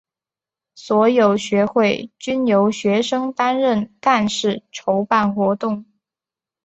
所有学会均由学生担任干事筹办活动。